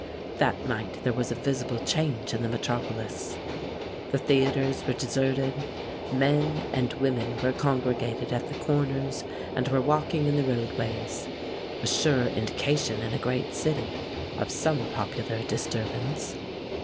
That night there was a visible change in the metropolis. The theaters were deserted, men and women were congregated at the corners and were walking in the roadways a sure indication in a great city of some popular disturbance.